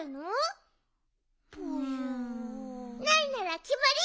ないならきまり！